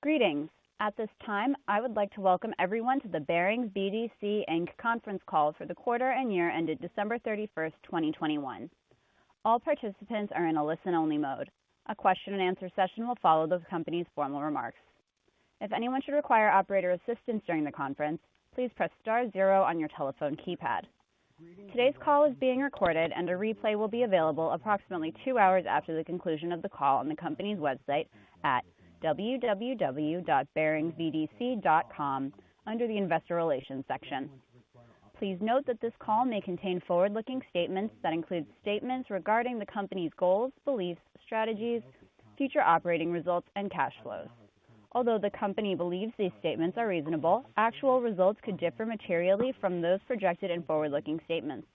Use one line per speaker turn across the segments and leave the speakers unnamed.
Greetings. At this time, I would like to welcome everyone to the Barings BDC, Inc. conference call for the quarter and year ended December 31, 2021. All participants are in a listen-only mode. A question and answer session will follow the company's formal remarks. If anyone should require operator assistance during the conference, please press star zero on your telephone keypad. Today's call is being recorded, and a replay will be available approximately two hours after the conclusion of the call on the company's website at www.baringsbdc.com under the investor relations section. Please note that this call may contain forward-looking statements that include statements regarding the company's goals, beliefs, strategies, future operating results, and cash flows. Although the company believes these statements are reasonable, actual results could differ materially from those projected in forward-looking statements.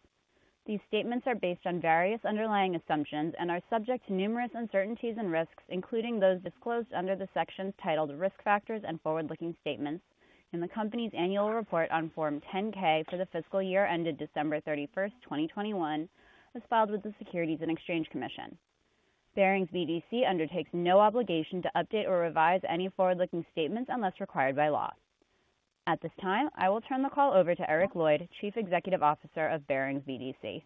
These statements are based on various underlying assumptions and are subject to numerous uncertainties and risks, including those disclosed under the sections titled Risk Factors and Forward-Looking Statements in the company's annual report on Form 10-K for the fiscal year ended December 31, 2021, as filed with the Securities and Exchange Commission. Barings BDC undertakes no obligation to update or revise any forward-looking statements unless required by law. At this time, I will turn the call over to Eric Lloyd, Chief Executive Officer of Barings BDC.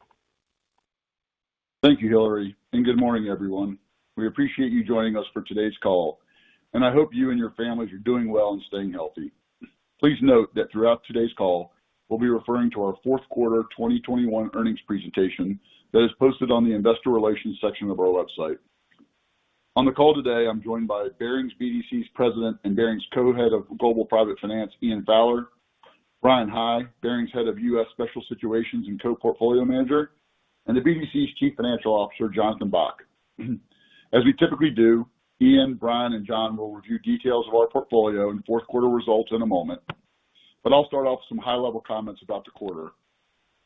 Thank you, Hillary, and good morning, everyone. We appreciate you joining us for today's call, and I hope you and your families are doing well and staying healthy. Please note that throughout today's call, we'll be referring to our fourth quarter 2021 earnings presentation that is posted on the investor relations section of our website. On the call today, I'm joined by Barings BDC's President and Barings Co-Head of Global Private Finance, Ian Fowler; Bryan High, Barings Head of U.S. Special Situations and Co-Portfolio Manager; and the BDC's Chief Financial Officer, Jonathan Bock. As we typically do, Ian, Bryan, and Jon will review details of our portfolio and fourth quarter results in a moment. I'll start off with some high-level comments about the quarter.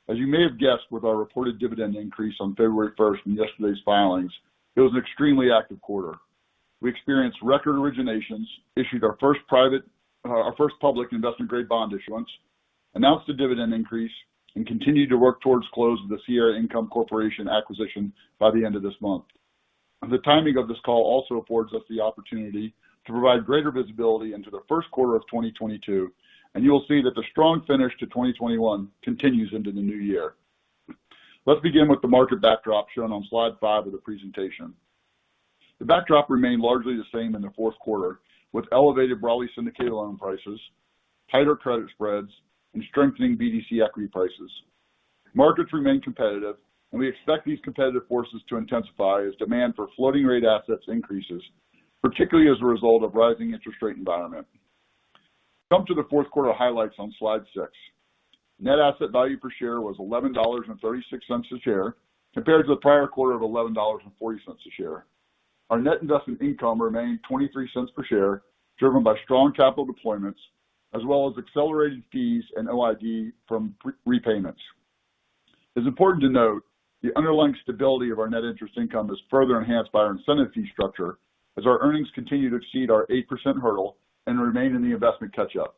As you may have guessed with our reported dividend increase on February 1 in yesterday's filings, it was an extremely active quarter. We experienced record originations, issued our first public investment-grade bond issuance, announced a dividend increase, and continued to work towards close of the Sierra Income Corporation acquisition by the end of this month. The timing of this call also affords us the opportunity to provide greater visibility into the first quarter of 2022, and you'll see that the strong finish to 2021 continues into the new year. Let's begin with the market backdrop shown on slide five of the presentation. The backdrop remained largely the same in the fourth quarter, with elevated broadly syndicated loan prices, tighter credit spreads, and strengthening BDC equity prices. Markets remain competitive, and we expect these competitive forces to intensify as demand for floating rate assets increases, particularly as a result of rising interest rate environment. Jump to the fourth quarter highlights on slide six. Net asset value per share was $11.36 a share, compared to the prior quarter of $11.40 a share. Our net investment income remained $0.23 per share, driven by strong capital deployments as well as accelerated fees and OID from prepayments. It's important to note the underlying stability of our net interest income is further enhanced by our incentive fee structure as our earnings continue to exceed our 8% hurdle and remain in the investment catch-up.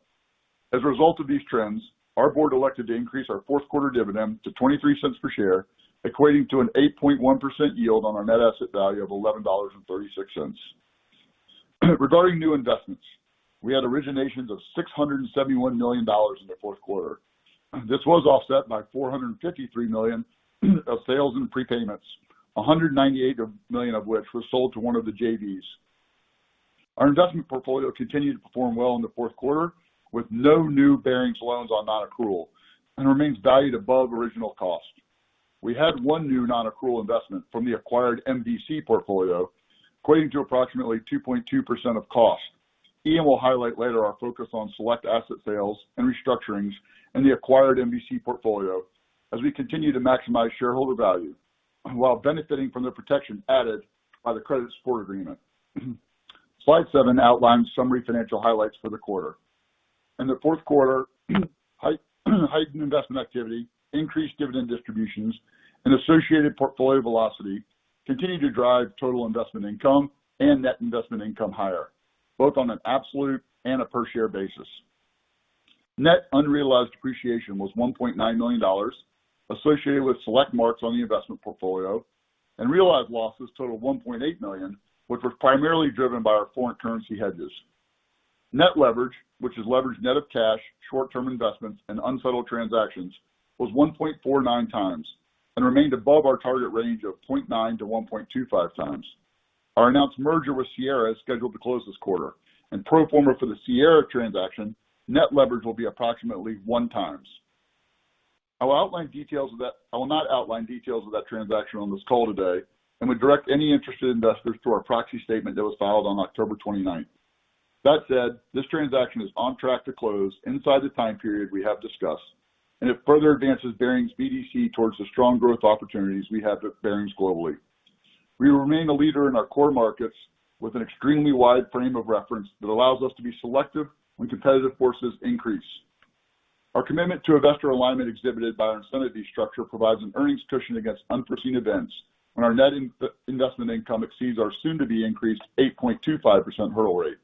As a result of these trends, our board elected to increase our fourth quarter dividend to $0.23 per share, equating to an 8.1% yield on our net asset value of $11.36. Regarding new investments, we had originations of $671 million in the fourth quarter. This was offset by $453 million of sales and prepayments, $198 million of which were sold to one of the JVs. Our investment portfolio continued to perform well in the fourth quarter, with no new Barings loans on nonaccrual, and remains valued above original cost. We had one new nonaccrual investment from the acquired MVC portfolio, equating to approximately 2.2% of cost. Ian will highlight later our focus on select asset sales and restructurings in the acquired MVC portfolio as we continue to maximize shareholder value while benefiting from the protection added by the credit support agreement. Slide seven outlines summary financial highlights for the quarter. In the fourth quarter, heightened investment activity, increased dividend distributions, and associated portfolio velocity continued to drive total investment income and net investment income higher, both on an absolute and a per share basis. Net unrealized appreciation was $1.9 million associated with select marks on the investment portfolio, and realized losses totaled $1.8 million, which was primarily driven by our foreign currency hedges. Net leverage, which is leverage net of cash, short-term investments, and unsettled transactions, was 1.49x and remained above our target range of 0.9x-1.25x. Our announced merger with Sierra is scheduled to close this quarter. In pro forma for the Sierra transaction, net leverage will be approximately 1x. I will not outline details of that transaction on this call today and would direct any interested investors to our proxy statement that was filed on October 29. That said, this transaction is on track to close inside the time period we have discussed, and it further advances Barings BDC towards the strong growth opportunities we have at Barings globally. We remain a leader in our core markets with an extremely wide frame of reference that allows us to be selective when competitive forces increase. Our commitment to investor alignment exhibited by our incentive fee structure provides an earnings cushion against unforeseen events when our net investment income exceeds our soon-to-be-increased 8.25% hurdle rate.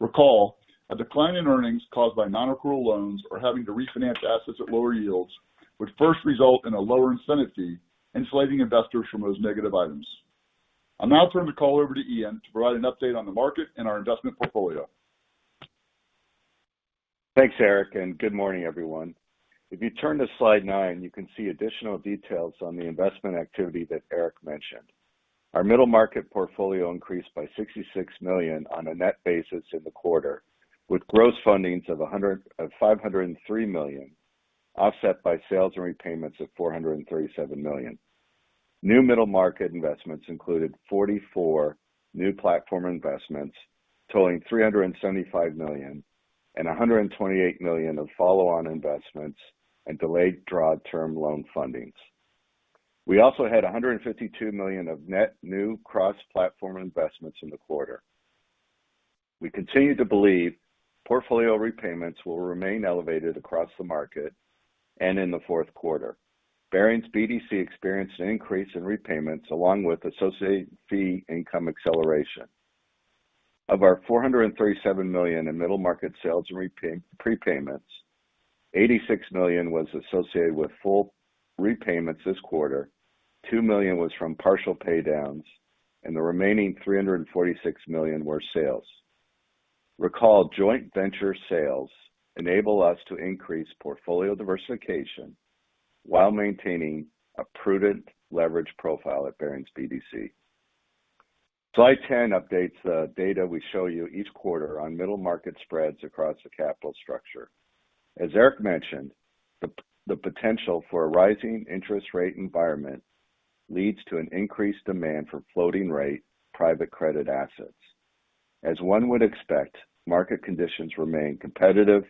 Recall, a decline in earnings caused by nonaccrual loans or having to refinance assets at lower yields would first result in a lower incentive fee, insulating investors from those negative items. I'll now turn the call over to Ian to provide an update on the market and our investment portfolio.
Thanks, Eric, and good morning, everyone. If you turn to slide nine, you can see additional details on the investment activity that Eric mentioned. Our middle market portfolio increased by $66 million on a net basis in the quarter, with gross fundings of $503 million, offset by sales and repayments of $437 million. New middle market investments included 44 new platform investments totaling $375 million and $128 million of follow-on investments and delayed draw term loan fundings. We also had $152 million of net new cross-platform investments in the quarter. We continue to believe portfolio repayments will remain elevated across the market and in the fourth quarter. Barings BDC experienced an increase in repayments along with associated fee income acceleration. Of our $437 million in middle market sales and repayments/prepayments, $86 million was associated with full repayments this quarter, $2 million was from partial pay downs, and the remaining $346 million were sales. Recall joint venture sales enable us to increase portfolio diversification while maintaining a prudent leverage profile at Barings BDC. Slide 10 updates the data we show you each quarter on middle market spreads across the capital structure. As Eric mentioned, the potential for a rising interest rate environment leads to an increased demand for floating rate private credit assets. As one would expect, market conditions remain competitive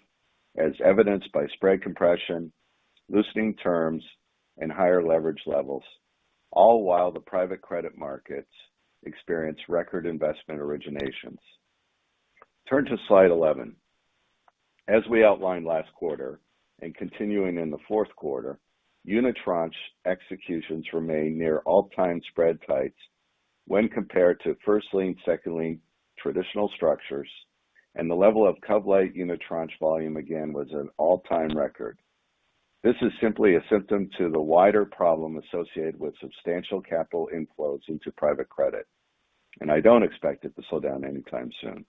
as evidenced by spread compression, loosening terms and higher leverage levels, all while the private credit markets experience record investment originations. Turn to slide 11. As we outlined last quarter and continuing in the fourth quarter, unitranche executions remain near all-time spread tights when compared to first lien, second lien traditional structures, and the level of cov-lite unitranche volume again was an all-time record. This is simply a symptom to the wider problem associated with substantial capital inflows into private credit, and I don't expect it to slow down anytime soon.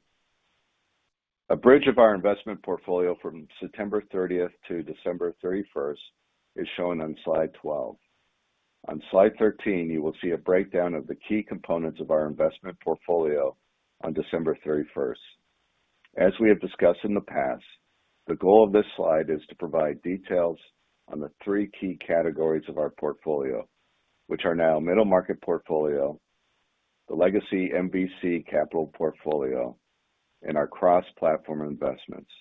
A bridge of our investment portfolio from September 30 to December 31 is shown on slide 12. On slide 13, you will see a breakdown of the key components of our investment portfolio on December 31. As we have discussed in the past, the goal of this slide is to provide details on the three key categories of our portfolio, which are now middle market portfolio, the legacy MVC Capital portfolio, and our cross-platform investments.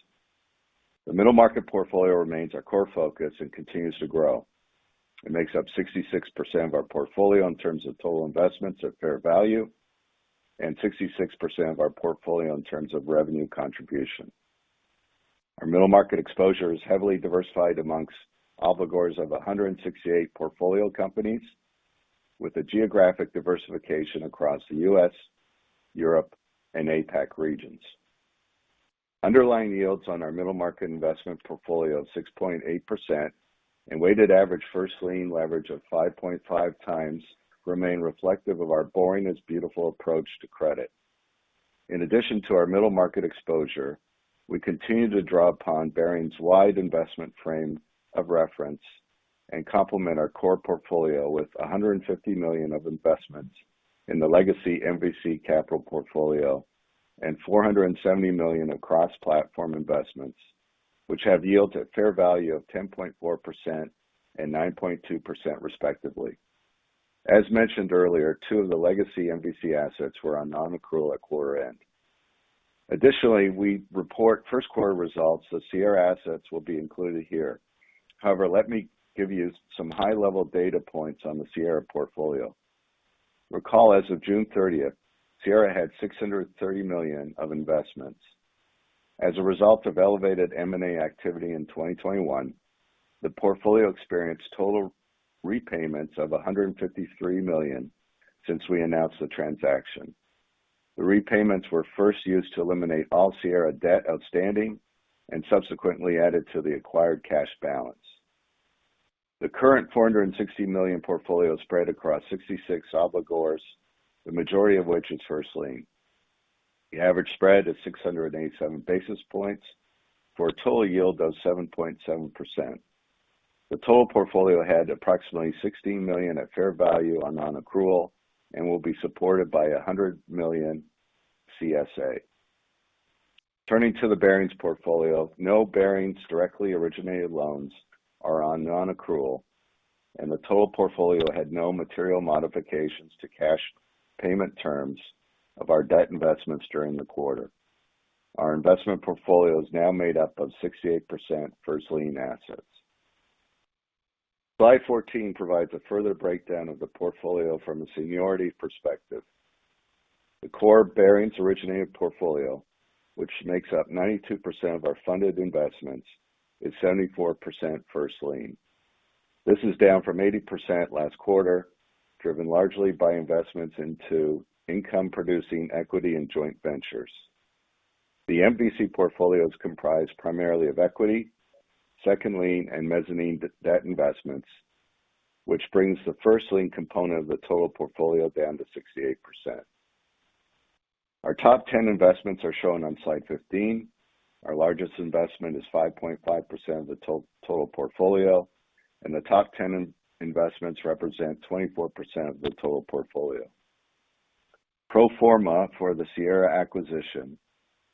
The middle market portfolio remains our core focus and continues to grow. It makes up 66% of our portfolio in terms of total investments at fair value and 66% of our portfolio in terms of revenue contribution. Our middle market exposure is heavily diversified among obligors of 168 portfolio companies with a geographic diversification across the U.S., Europe and APAC regions. Underlying yields on our middle market investment portfolio of 6.8% and weighted average first lien leverage of 5.5x remain reflective of our boring is beautiful approach to credit. In addition to our middle market exposure, we continue to draw upon Barings' wide investment frame of reference and complement our core portfolio with $150 million of investments in the legacy MVC Capital portfolio and $470 million of cross-platform investments, which have yields at fair value of 10.4% and 9.2% respectively. As mentioned earlier, two of the legacy MVC assets were on nonaccrual at quarter end. Additionally, we report first quarter results, so Sierra assets will be included here. However, let me give you some high-level data points on the Sierra portfolio. Recall as of June 30, Sierra had $630 million of investments. As a result of elevated M&A activity in 2021, the portfolio experienced total repayments of $153 million since we announced the transaction. The repayments were first used to eliminate all Sierra debt outstanding and subsequently added to the acquired cash balance. The current $460 million portfolio spread across 66 obligors, the majority of which is first lien. The average spread is 687 basis points for a total yield of 7.7%. The total portfolio had approximately $16 million at fair value on nonaccrual and will be supported by a $100 million CSA. Turning to the Barings portfolio, no Barings directly originated loans are on nonaccrual, and the total portfolio had no material modifications to cash payment terms of our debt investments during the quarter. Our investment portfolio is now made up of 68% first lien assets. Slide 14 provides a further breakdown of the portfolio from a seniority perspective. The core Barings originated portfolio, which makes up 92% of our funded investments, is 74% first lien. This is down from 80% last quarter, driven largely by investments into income-producing equity and joint ventures. The MVC portfolio is comprised primarily of equity, second lien and mezzanine debt investments, which brings the first lien component of the total portfolio down to 68%. Our top 10 investments are shown on slide 15. Our largest investment is 5.5% of the total portfolio, and the top 10 investments represent 24% of the total portfolio. Pro forma for the Sierra acquisition,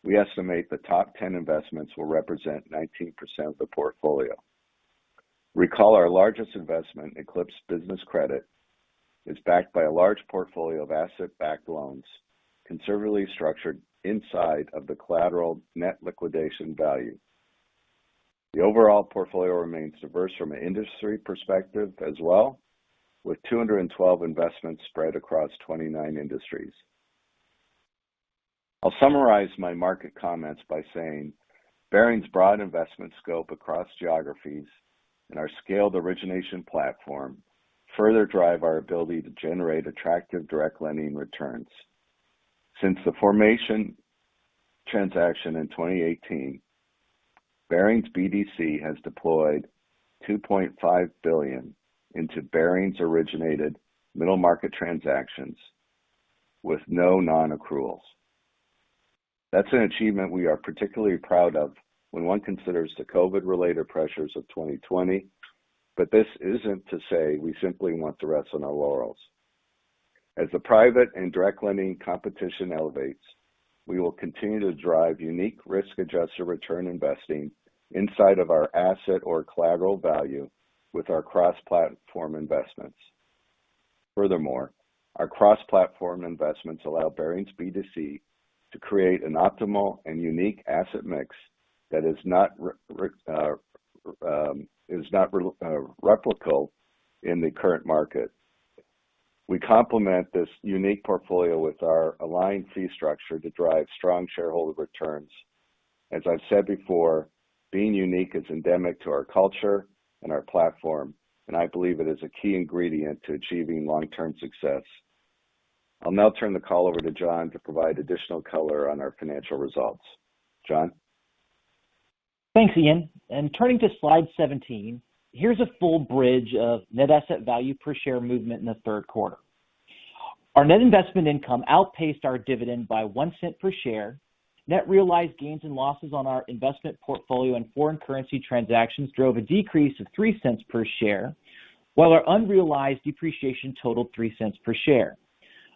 we estimate the top 10 investments will represent 19% of the portfolio. Recall our largest investment, Eclipse Business Capital, is backed by a large portfolio of asset-backed loans conservatively structured inside of the collateral net liquidation value. The overall portfolio remains diverse from an industry perspective as well, with 212 investments spread across 29 industries. I'll summarize my market comments by saying Barings' broad investment scope across geographies and our scaled origination platform further drive our ability to generate attractive direct lending returns. Since the formation transaction in 2018, Barings BDC has deployed $2.5 billion into Barings-originated middle market transactions with no nonaccruals. That's an achievement we are particularly proud of when one considers the COVID-related pressures of 2020. This isn't to say we simply want to rest on our laurels. As the private and direct lending competition elevates, we will continue to drive unique risk-adjusted return investing inside of our asset or collateral value with our cross-platform investments. Furthermore, our cross-platform investments allow Barings BDC to create an optimal and unique asset mix that is not replicable in the current market. We complement this unique portfolio with our aligned fee structure to drive strong shareholder returns. As I've said before, being unique is endemic to our culture and our platform, and I believe it is a key ingredient to achieving long-term success. I'll now turn the call over to Jon to provide additional color on our financial results. Jon?
Thanks, Ian. Turning to slide 17, here's a full bridge of net asset value per share movement in the third quarter. Our net investment income outpaced our dividend by $0.01 per share. Net realized gains and losses on our investment portfolio and foreign currency transactions drove a decrease of $0.03 per share, while our unrealized depreciation totaled $0.03 per share.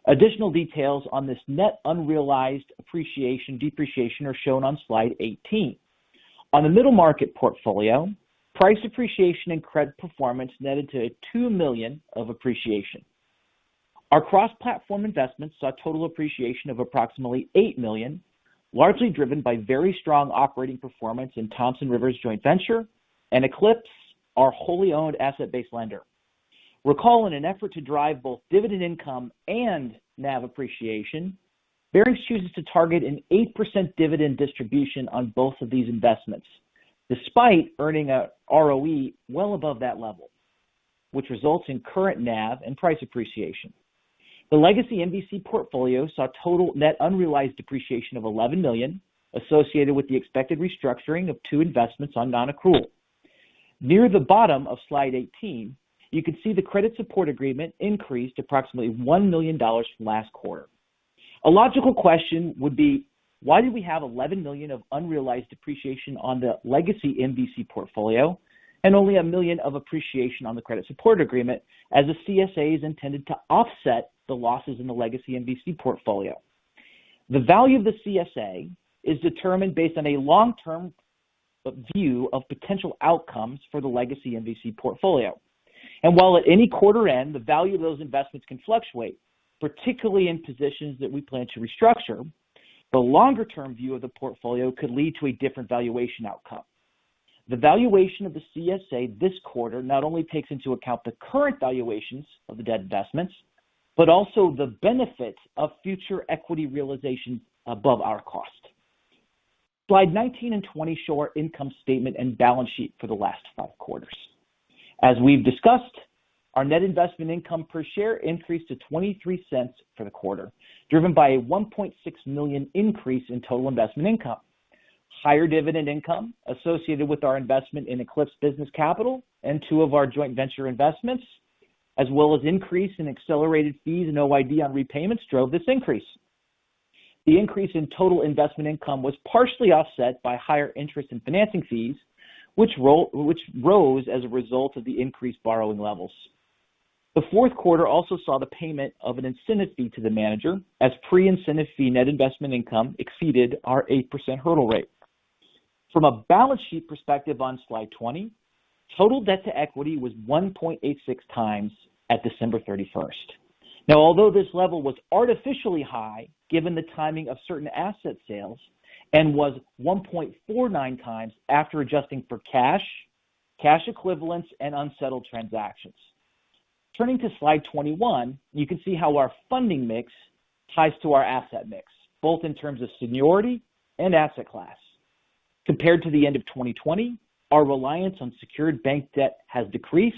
Additional details on this net unrealized appreciation depreciation are shown on slide 18. On the middle market portfolio, price appreciation and credit performance netted to $2 million of appreciation. Our cross-platform investments saw total appreciation of approximately $8 million, largely driven by very strong operating performance in Thompson Rivers' joint venture and Eclipse, our wholly owned asset-based lender. Recall in an effort to drive both dividend income and NAV appreciation, Barings chooses to target an 8% dividend distribution on both of these investments despite earning a ROE well above that level, which results in current NAV and price appreciation. The legacy MVC portfolio saw total net unrealized depreciation of $11 million associated with the expected restructuring of two investments on nonaccrual. Near the bottom of slide 18, you can see the credit support agreement increased approximately $1 million from last quarter. A logical question would be, why do we have $11 million of unrealized depreciation on the legacy MVC portfolio and only $1 million of appreciation on the credit support agreement as the CSA is intended to offset the losses in the legacy MVC portfolio? The value of the CSA is determined based on a long-term view of potential outcomes for the legacy MVC portfolio. While at any quarter end, the value of those investments can fluctuate, particularly in positions that we plan to restructure, the longer-term view of the portfolio could lead to a different valuation outcome. The valuation of the CSA this quarter not only takes into account the current valuations of the debt investments, but also the benefits of future equity realization above our cost. Slide 19 and 20 show our income statement and balance sheet for the last five quarters. As we've discussed, our net investment income per share increased to $0.23 for the quarter, driven by a $1.6 million increase in total investment income. Higher dividend income associated with our investment in Eclipse Business Capital and two of our joint venture investments, as well as increase in accelerated fees and OID on repayments drove this increase. The increase in total investment income was partially offset by higher interest and financing fees, which rose as a result of the increased borrowing levels. The fourth quarter also saw the payment of an incentive fee to the manager as pre-incentive fee net investment income exceeded our 8% hurdle rate. From a balance sheet perspective on slide 20, total debt to equity was 1.86x at December 31. Now, although this level was artificially high, given the timing of certain asset sales and was 1.49x after adjusting for cash equivalents, and unsettled transactions. Turning to slide 21, you can see how our funding mix ties to our asset mix, both in terms of seniority and asset class. Compared to the end of 2020, our reliance on secured bank debt has decreased,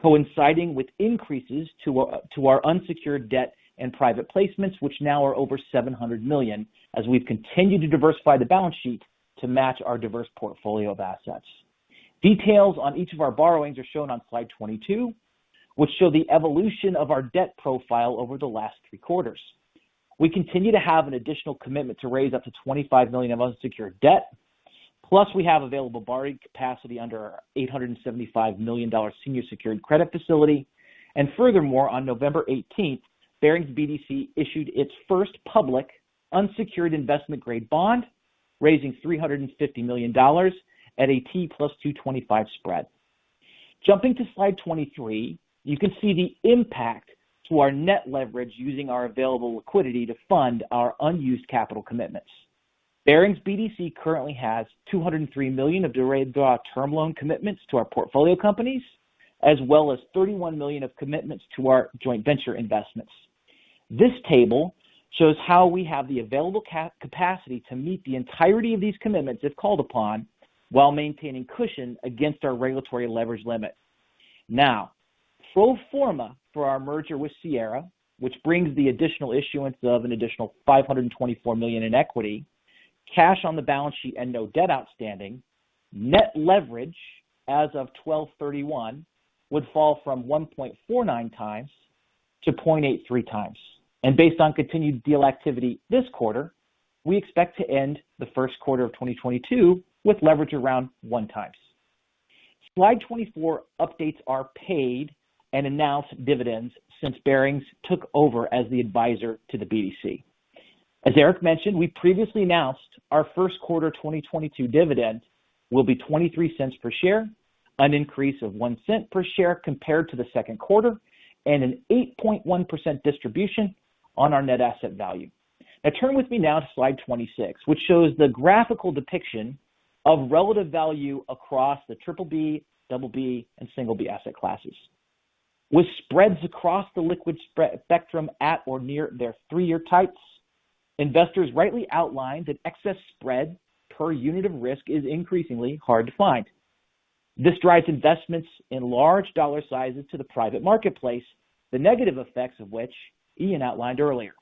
coinciding with increases to our unsecured debt and private placements, which now are over $700 million as we've continued to diversify the balance sheet to match our diverse portfolio of assets. Details on each of our borrowings are shown on slide 22, which show the evolution of our debt profile over the last three quarters. We continue to have an additional commitment to raise up to 25 million of unsecured debt, plus we have available borrowing capacity under $875 million senior secured credit facility. Furthermore, on November 18, Barings BDC issued its first public unsecured investment grade bond, raising $350 million at a T+225 spread. Jumping to slide 23, you can see the impact to our net leverage using our available liquidity to fund our unused capital commitments. Barings BDC currently has $203 million of delayed draw term loan commitments to our portfolio companies, as well as $31 million of commitments to our joint venture investments. This table shows how we have the available capacity to meet the entirety of these commitments, if called upon, while maintaining cushion against our regulatory leverage limit. Now, pro forma for our merger with Sierra, which brings the additional issuance of an additional $524 million in equity, cash on the balance sheet and no debt outstanding, net leverage as of 12/31 would fall from 1.49x-0.83x. Based on continued deal activity this quarter, we expect to end the first quarter of 2022 with leverage around 1x. Slide 24 updates our paid and announced dividends since Barings took over as the advisor to the BDC. As Eric mentioned, we previously announced our first quarter 2022 dividend will be $0.23 per share, an increase of $0.01 per share compared to the second quarter, and an 8.1% distribution on our net asset value. Turn with me now to Slide 26, which shows the graphical depiction of relative value across the BBB, BB, and B asset classes. With spreads across the liquid spread spectrum at or near their three-year tights, investors rightly outlined that excess spread per unit of risk is increasingly hard to find. This drives investments in large dollar sizes to the private marketplace, the negative effects of which Ian outlined earlier.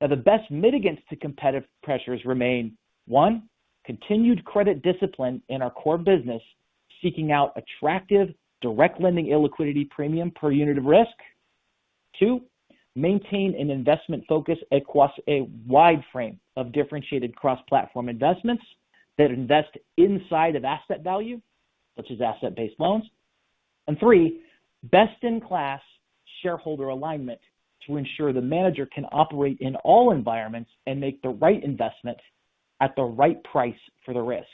Now, the best mitigants to competitive pressures remain, one, continued credit discipline in our core business, seeking out attractive direct lending illiquidity premium per unit of risk. Two, maintain an investment focus across a wide frame of differentiated cross-platform investments that invest inside of asset value, such as asset-based loans. Three, best-in-class shareholder alignment to ensure the manager can operate in all environments and make the right investment at the right price for the risk.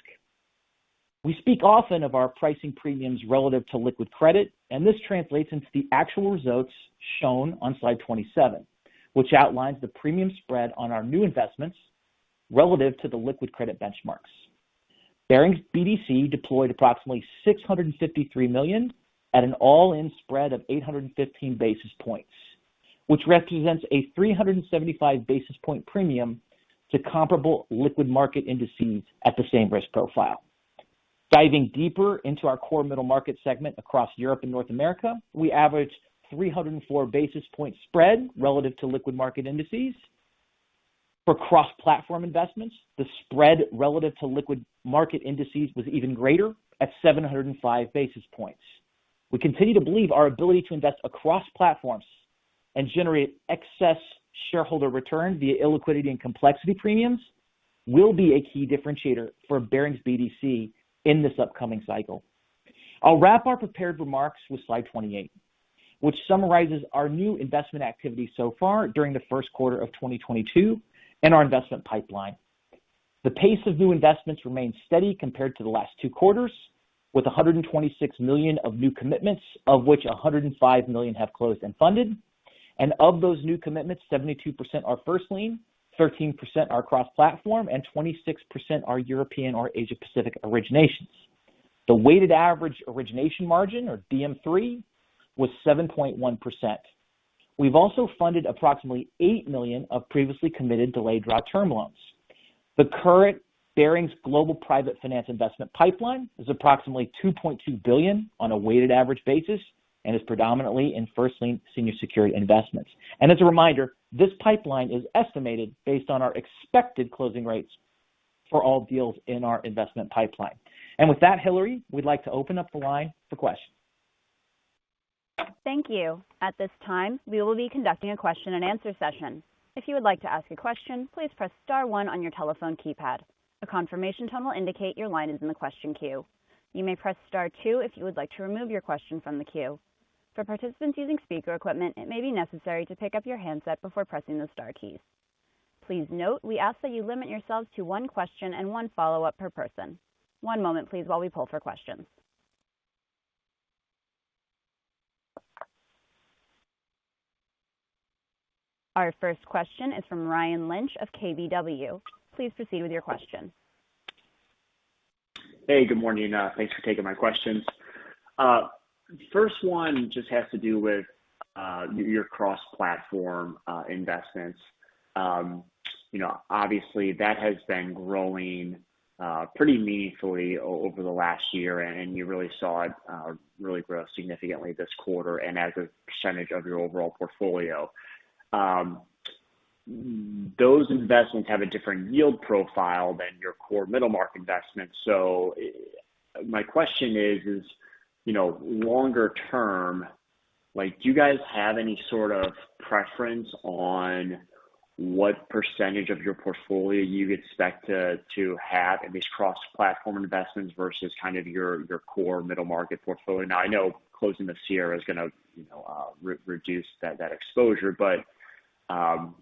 We speak often of our pricing premiums relative to liquid credit, and this translates into the actual results shown on slide 27, which outlines the premium spread on our new investments relative to the liquid credit benchmarks. Barings BDC deployed approximately $653 million at an all-in spread of 815 basis points, which represents a 375 basis point premium to comparable liquid market indices at the same risk profile. Diving deeper into our core middle market segment across Europe and North America, we averaged 304 basis points spread relative to liquid market indices. For cross-platform investments, the spread relative to liquid market indices was even greater at 705 basis points. We continue to believe our ability to invest across platforms and generate excess shareholder return via illiquidity and complexity premiums will be a key differentiator for Barings BDC in this upcoming cycle. I'll wrap our prepared remarks with slide 28, which summarizes our new investment activity so far during the first quarter of 2022 and our investment pipeline. The pace of new investments remains steady compared to the last two quarters, with $126 million of new commitments, of which $105 million have closed and funded. Of those new commitments, 72% are first lien, 13% are cross-platform, and 26% are European or Asia Pacific originations. The weighted average origination margin or DM3 was 7.1%. We've also funded approximately $8 million of previously committed delayed draw term loans. The current Barings Global Private Finance investment pipeline is approximately $2.2 billion on a weighted average basis and is predominantly in first lien senior secured investments. As a reminder, this pipeline is estimated based on our expected closing rates for all deals in our investment pipeline. With that, Hillary, we'd like to open up the line for questions.
Thank you. At this time, we will be conducting a question-and-answer session. If you would like to ask a question, please press star one on your telephone keypad. A confirmation tone will indicate your line is in the question queue. You may press star two if you would like to remove your question from the queue. For participants using speaker equipment, it may be necessary to pick up your handset before pressing the star keys. Please note we ask that you limit yourselves to one question and one follow-up per person. One moment, please, while we pull for questions. Our first question is from Ryan Lynch of KBW. Please proceed with your question.
Hey, good morning. Thanks for taking my questions. First one just has to do with your cross-platform investments. Obviously, that has been growing pretty meaningfully over the last year, and you really saw it really grow significantly this quarter and as a percentage of your overall portfolio. Those investments have a different yield profile than your core middle market investments. So my question is longer-term, like, do you guys have any sort of preference on what percentage of your portfolio you expect to have in these cross-platform investments versus kind of your core middle market portfolio? Now, I know closing the Sierra is gonna reduce that exposure.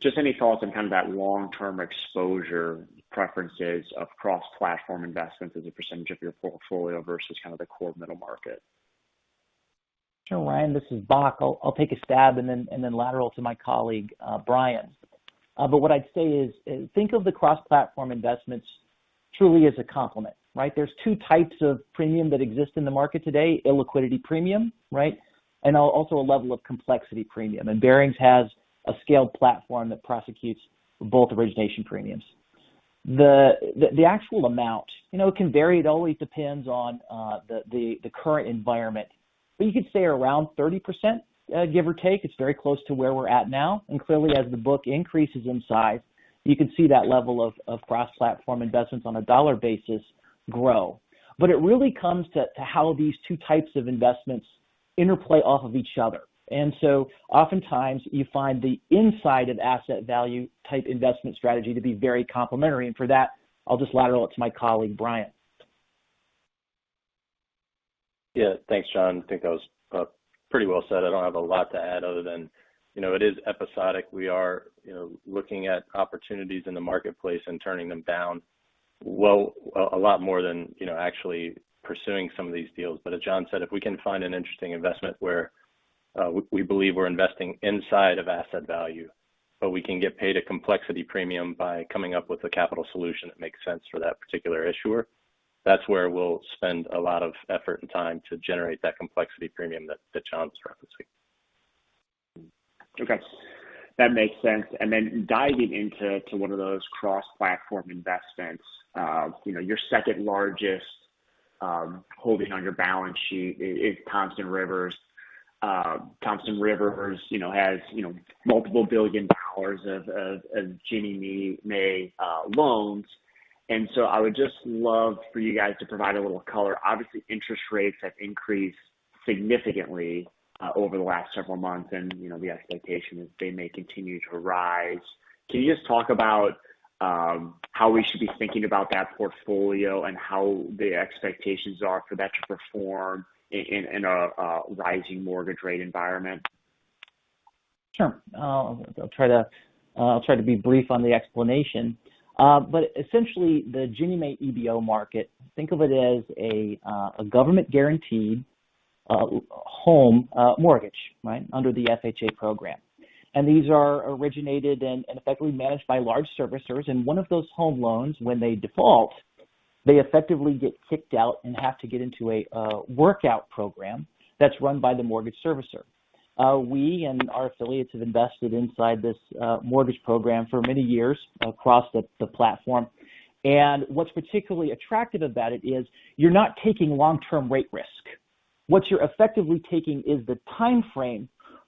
Just any thoughts on kind of that long-term exposure preferences of cross-platform investments as a percentage of your portfolio versus kind of the core middle market.
Sure, Ryan. This is Bock. I'll take a stab and then lateral to my colleague, Bryan. What I'd say is think of the cross-platform investments truly as a complement, right? There's two types of premium that exist in the market today. Illiquidity premium, right? Also a level of complexity premium. Barings has a scaled platform that prosecutes both origination premiums. The actual amount, you know, it can vary. It always depends on the current environment. You could say around 30%, give or take. It's very close to where we're at now. Clearly, as the book increases in size, you can see that level of cross-platform investments on a dollar basis grow. It really comes to how these two types of investments interplay off of each other. Oftentimes you find the inside of asset value type investment strategy to be very complementary. For that, I'll just lateral it to my colleague, Bryan.
Yeah. Thanks, Jon. I think that was pretty well said. I don't have a lot to add other than, you know, it is episodic. We are, you know, looking at opportunities in the marketplace and turning them down a lot more than, you know, actually pursuing some of these deals. But as Jon said, if we can find an interesting investment where we believe we're investing inside of asset value, but we can get paid a complexity premium by coming up with a capital solution that makes sense for that particular issuer, that's where we'll spend a lot of effort and time to generate that complexity premium that Jon's referencing.
Okay. That makes sense. Diving into one of those cross-platform investments your second largest holding on your balance sheet is Thompson Rivers. Thompson Rivers has multiple billion dollars of Ginnie Mae loans. I would just love for you guys to provide a little color. Obviously, interest rates have increased significantly over the last several months. The expectation is they may continue to rise. Can you just talk about how we should be thinking about that portfolio and how the expectations are for that to perform in a rising mortgage rate environment?
Sure. I'll try to be brief on the explanation. But essentially the Ginnie Mae EBO market, think of it as a government-guaranteed home mortgage, right? Under the FHA program. These are originated and effectively managed by large servicers. One of those home loans, when they default, they effectively get kicked out and have to get into a workout program that's run by the mortgage servicer. We and our affiliates have invested inside this mortgage program for many years across the platform. What's particularly attractive about it is you're not taking long-term rate risk. What you're effectively taking is the timeframe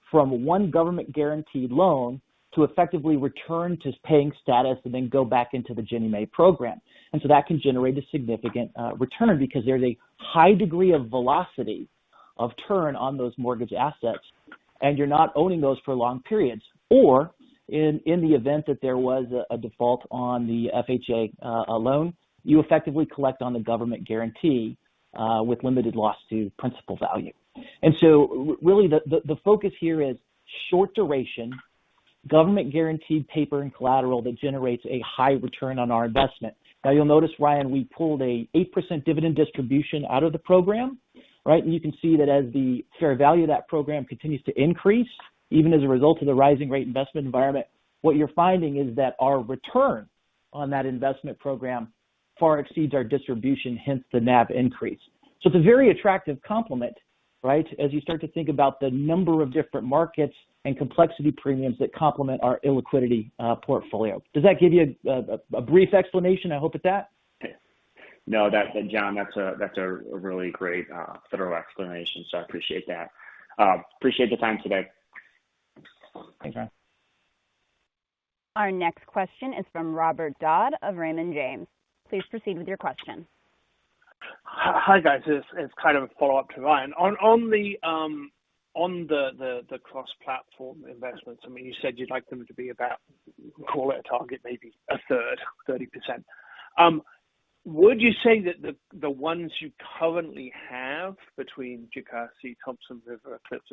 from one government-guaranteed loan to effectively return to paying status and then go back into the Ginnie Mae program. That can generate a significant return because there's a high degree of velocity of turn on those mortgage assets, and you're not owning those for long periods. Or in the event that there was a default on the FHA loan, you effectively collect on the government guarantee with limited loss to principal value. Really the focus here is short duration, government-guaranteed paper and collateral that generates a high return on our investment. Now you'll notice, Ryan, we pulled an 8% dividend distribution out of the program, right? You can see that as the fair value of that program continues to increase, even as a result of the rising rate investment environment, what you're finding is that our return on that investment program far exceeds our distribution, hence the NAV increase. It's a very attractive complement, right? As you start to think about the number of different markets and complexity premiums that complement our illiquidity portfolio. Does that give you a brief explanation, I hope, at that?
Jon, that's a really great thorough explanation, so I appreciate that. I appreciate the time today.
Thanks, Ryan.
Our next question is from Robert Dodd of Raymond James. Please proceed with your question.
Hi, guys. It's kind of a follow-up to Ryan. On the cross-platform investments, I mean, you said you'd like them to be about, call it a target, maybe a third, 30%. Would you say that the ones you currently have between Jocassee, Thompson Rivers, Eclipse,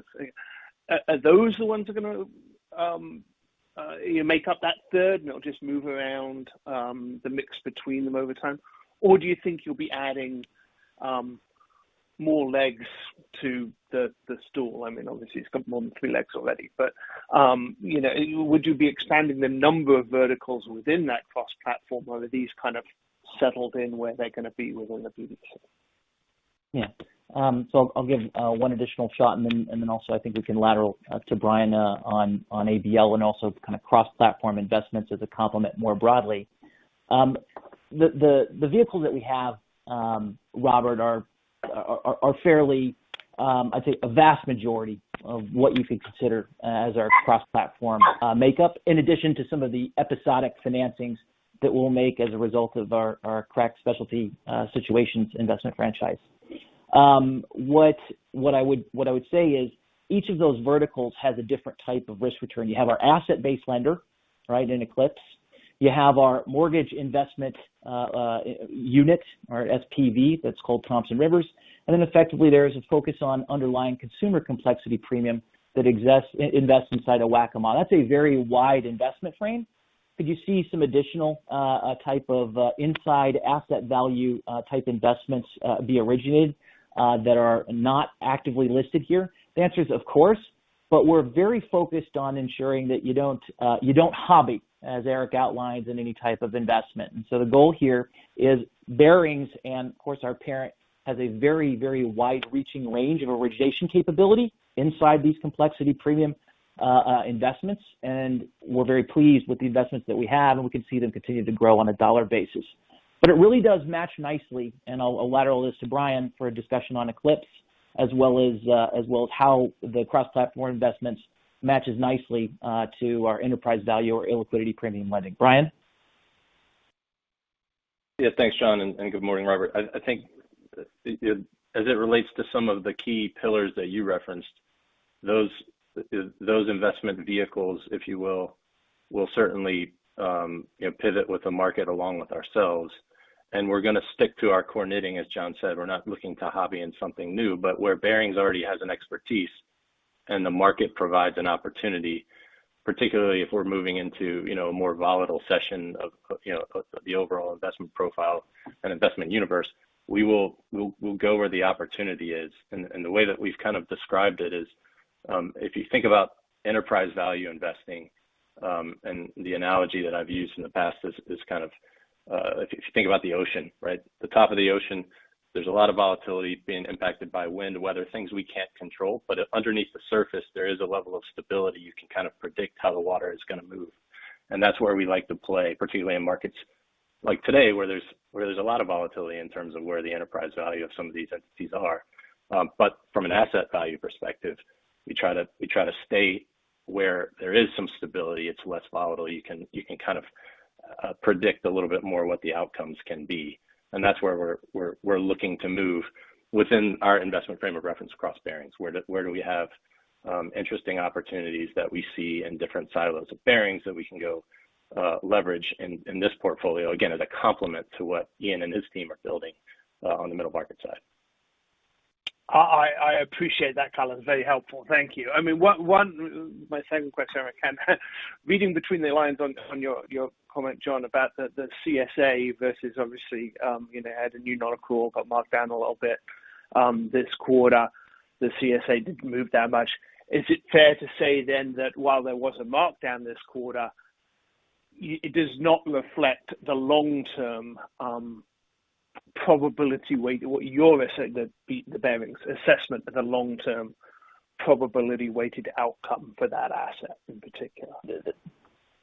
are those the ones that are gonna, you know, make up that third and it'll just move around, the mix between them over time? Or do you think you'll be adding more legs to the stool. I mean, obviously it's got more than three legs already. Would you be expanding the number of verticals within that cross-platform? Are these kind of settled in where they're gonna be within the BDC?
Yeah, so I'll give one additional shot, and then also I think we can lateral to Bryan on ABL and also kind of cross-platform investments as a complement more broadly. The vehicle that we have, Robert, are fairly, I'd say a vast majority of what you could consider as our cross-platform makeup, in addition to some of the episodic financings that we'll make as a result of our cross-specialty situations investment franchise. What I would say is each of those verticals has a different type of risk return. You have our asset-based lender, right, in Eclipse. You have our mortgage investment unit, our SPV, that's called Thompson Rivers. Effectively, there is a focus on underlying consumer complexity premium that exists in investments inside of Waccamaw. That's a very wide investment frame. Could you see some additional type of inside asset value type investments be originated that are not actively listed here? The answer is, of course. We're very focused on ensuring that you don't hobby, as Eric outlines, in any type of investment. The goal here is Barings and, of course, our parent has a very, very wide-reaching range of origination capability inside these complexity premium investments. We're very pleased with the investments that we have, and we can see them continue to grow on a dollar basis. It really does match nicely, and I'll lateral this to Bryan for a discussion on Eclipse as well as how the cross-platform investments matches nicely to our enterprise value or illiquidity premium lending. Bryan?
Yeah. Thanks, Jon, and good morning, Robert. I think as it relates to some of the key pillars that you referenced, those investment vehicles, if you will certainly pivot with the market along with ourselves. We're gonna stick to our core knitting. As Jon said, we're not looking to hobby in something new. Where Barings already has an expertise and the market provides an opportunity, particularly if we're moving into a more volatile session of the overall investment profile and investment universe, we'll go where the opportunity is. The way that we've kind of described it is, if you think about enterprise value investing, and the analogy that I've used in the past is kind of if you think about the ocean, right? The top of the ocean, there's a lot of volatility being impacted by wind, weather, things we can't control. Underneath the surface, there is a level of stability. You can kind of predict how the water is gonna move. That's where we like to play, particularly in markets like today, where there's a lot of volatility in terms of where the enterprise value of some of these entities are. From an asset value perspective, we try to stay where there is some stability, it's less volatile. You can kind of predict a little bit more what the outcomes can be. That's where we're looking to move within our investment frame of reference across Barings. Where do we have interesting opportunities that we see in different silos of Barings that we can go leverage in this portfolio, again, as a complement to what Ian and his team are building on the middle market side.
I appreciate that, color. Very helpful. Thank you. I mean, My second question, Eric, reading between the lines on your comment, Jon, about the CSA versus obviously, you know, had a Sierra got marked down a little bit, this quarter. The CSA didn't move that much. Is it fair to say then that while there was a markdown this quarter, it does not reflect the long-term, probability weight, what your asset that beat the Barings assessment of the long-term probability weighted outcome for that asset in particular?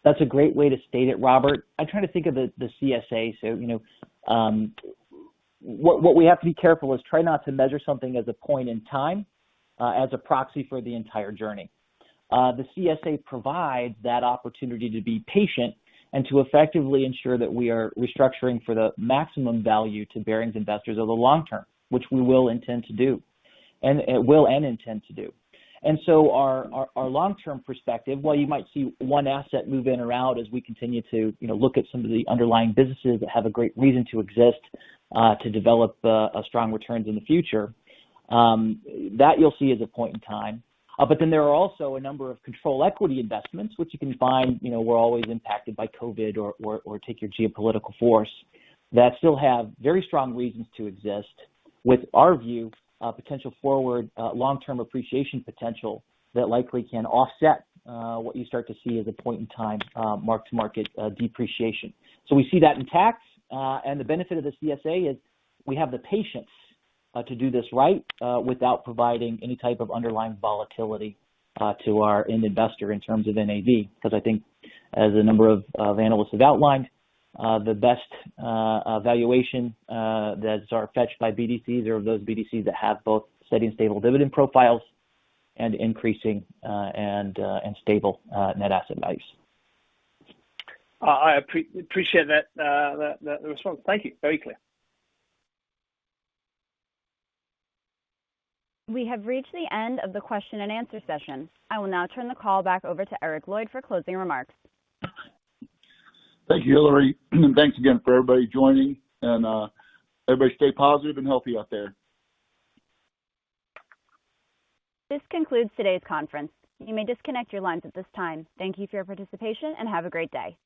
That's a great way to state it, Robert. I try to think of the CSA. You know, what we have to be careful is try not to measure something as a point in time as a proxy for the entire journey. The CSA provides that opportunity to be patient and to effectively ensure that we are restructuring for the maximum value to Barings investors over the long term, which we will intend to do. Our long-term perspective, while you might see one asset move in or out as we continue to you know look at some of the underlying businesses that have a great reason to exist to develop a strong returns in the future, that you'll see as a point in time. There are also a number of control equity investments which you can find, you know, were always impacted by COVID or take your geopolitical force that still have very strong reasons to exist with our view, potential forward, long-term appreciation potential that likely can offset what you start to see as a point in time, mark-to-market depreciation. We see that in tech. The benefit of the CSA is we have the patience to do this right without providing any type of underlying volatility to our end investor in terms of NAV. Because I think as a number of analysts have outlined, the best valuation that are fetched by BDCs are those BDCs that have both steady and stable dividend profiles and increasing and stable net asset values.
I appreciate that response. Thank you. Very clear.
We have reached the end of the question-and-answer session. I will now turn the call back over to Eric Lloyd for closing remarks.
Thank you, Hillary. Thanks again for everybody joining. Everybody stay positive and healthy out there.
This concludes today's conference. You may disconnect your lines at this time. Thank you for your participation, and have a great day.